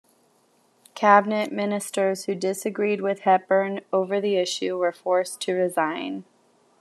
Cabinet ministers who disagreed with Hepburn over the issue were forced to resign.